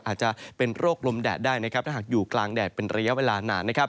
อาจจะเป็นโรคลมแดดได้ถ้าหากอยู่กลางแดดเป็นระยะเวลานาน